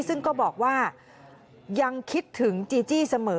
ซึ่งก็บอกว่ายังคิดถึงจีจี้เสมอ